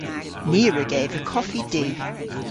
Ni a wrug eva koffi du.